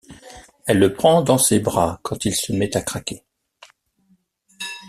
Elle le prend dans ses bras quand il se met à craquer.